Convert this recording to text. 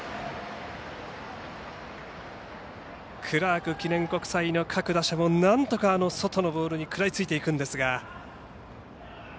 クラーク記念国際の各打者もなんとか外のボールに食らいついていくんですが。